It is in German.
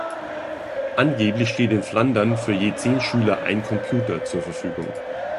Angeblich steht in Flandern für je zehn Schüler ein Computer zur Verfügung.